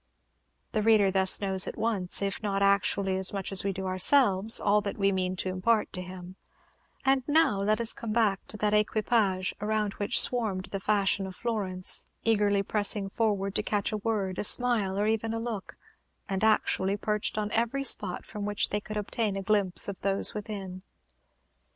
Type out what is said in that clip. The reader thus knows at once, if not actually as much as we do ourselves, all that we mean to impart to him; and now let us come back to that equipage around which swarmed the fashion of Florence, eagerly pressing forward to catch a word, a smile, or even a look, and actually perched on every spot from which they could obtain a glimpse of those within.